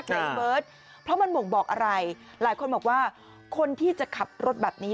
พี่เบิร์ตเพราะมันบ่งบอกอะไรหลายคนบอกว่าคนที่จะขับรถแบบนี้